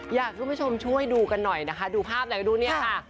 อยากให้คุณผู้ชมช่วยดูกันหน่อยนะคะดูภาพไหนดูเนี่ยค่ะ